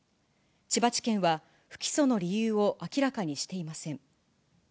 千葉地検は不起訴の理由を明らかにしていません。